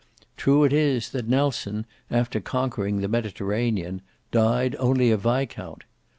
True it is, that Nelson, after conquering the Mediterranean, died only a Viscount!